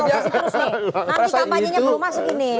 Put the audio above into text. nanti kampanyenya belum masuk ini